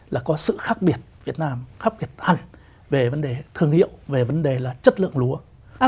là có sự khác biệt việt nam khác biệt hẳn về vấn đề thương hiệu về vấn đề là chất lượng lúa